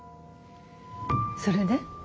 それで？